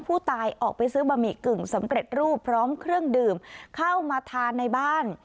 ผู้ตายออกไปซื้อบะหมี่กึ่งสำเร็จรูปพร้อมเครื่องดื่มเข้ามาทานในบ้าน